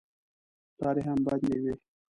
لارې هم بندې وې.